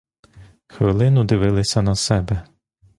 Хвилину дивилися на себе.